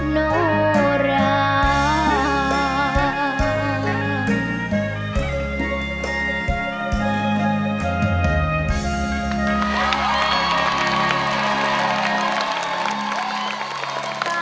โนรา